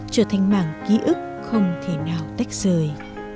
trở thành mảng ký ức không thể nào tách rời